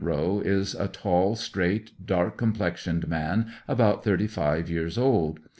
Rowe is a tall, straight, dark com plexioned man, about thirty five years old.